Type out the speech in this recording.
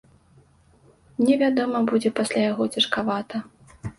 Мне, вядома, будзе пасля яго цяжкавата.